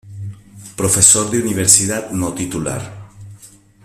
Profesor de Universidad no Titular.